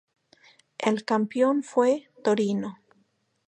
El campeón fue Torino.